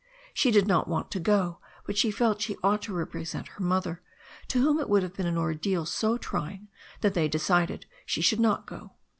She did not want to go, but she felt she ought to represent her mother, to whom it would have been an ordeal so trying that they decided she should not go.